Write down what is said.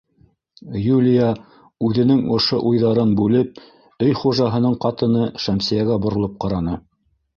Юлия, үҙенең ошо уйҙарын бүлеп, өй хужаһының ҡатыны Шәмсиәгә боролоп ҡараны.